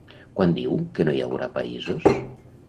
Quan diu que no hi haurà països?